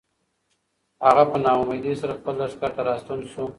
هغه په ناامیدۍ سره خپل لښکر ته راستون شو.